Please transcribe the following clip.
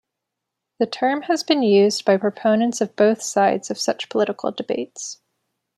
The term has been used by proponents of both sides of such political debates.